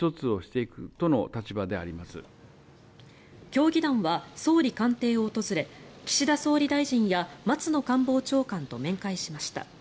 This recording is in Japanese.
協議団は総理官邸を訪れ岸田総理大臣や松野官房長官と面会しました。